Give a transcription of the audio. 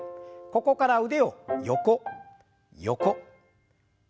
ここから腕を横横前前。